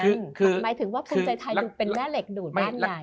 หมายถึงว่าพุนศัยไทยเป็นแม่เหล็กหลักใบ้ใน